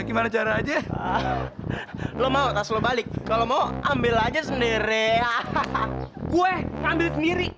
gimana cara aja lo mau tas lo balik kalau mau ambil aja sendiri ah gue ngambil sendiri